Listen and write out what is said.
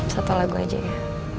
satu lagu aja ya